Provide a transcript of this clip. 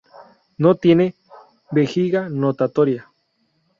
No tienen vejiga natatoria.